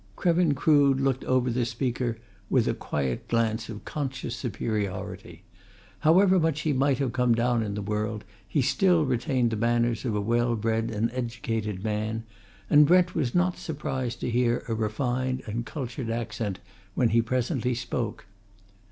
Krevin Crood looked over the speaker with a quiet glance of conscious superiority. However much he might have come down in the world, he still retained the manners of a well bred and educated man, and Brent was not surprised to hear a refined and cultured accent when he presently spoke.